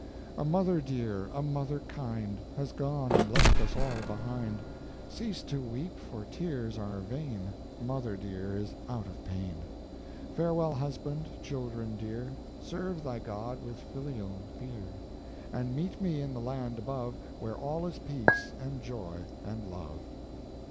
A mother dear, a mother kind, Has gone and left us all behind. Cease to weep, for tears are vain, Mother dear is out of pain. Farewell, husband, children dear, Serve thy God with filial fear, And meet me in the land above, Where all is peace, and joy, and love.